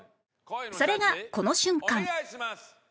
それがこの瞬間